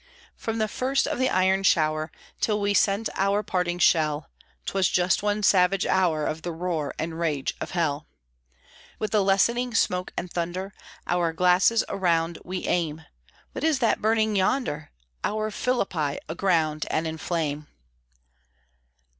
From the first of the iron shower Till we sent our parting shell, 'Twas just one savage hour Of the roar and the rage of hell. With the lessening smoke and thunder, Our glasses around we aim, What is that burning yonder? Our Philippi aground and in flame!